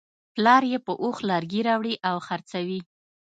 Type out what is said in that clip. پلار یې په اوښ لرګي راوړي او خرڅوي.